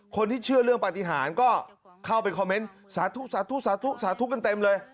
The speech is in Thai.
คนที่เชื่อเรื่องปฏิหารก็เข้าไปคอมเมนต์สาธุสาธุสาธุสาธุกันเต็มเลย